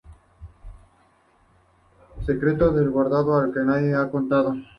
Secreto bien guardado, el que a nadie se ha contado